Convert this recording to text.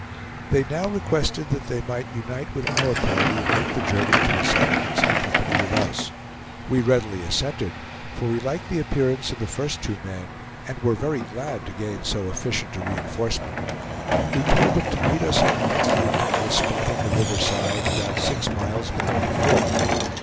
They now requested that they might unite with our party, and make the journey to the settlements in company with us. We readily assented, for we liked the appearance of the first two men, and were very glad to gain so efficient a re enforcement. We told them to meet us on the next evening at a spot on the river side, about six miles below the fort.